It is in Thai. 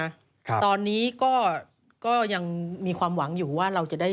ซึ่งตอน๕โมง๔๕นะฮะทางหน่วยซิวได้มีการยุติการค้นหาที่